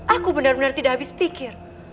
aku benar benar tidak habis pikir